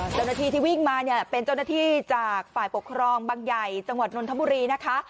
เจ้าหน้าที่ที่วิ่งมาเนี่ยเป็นเจ้าหน้าที่จากฝ่ายปกครองบังใหญ่จังหวัดนนทบุรีนะคะ